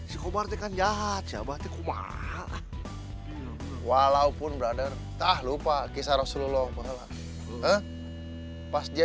coba tekan jahat siapat kumar walaupun brother tak lupa kisah rasulullah pas dia